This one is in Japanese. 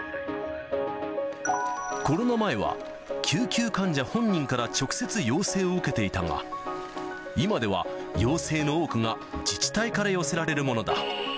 コロナ前は、救急患者本人から直接要請を受けていたが、今では要請の多くが自治体から寄せられるものだ。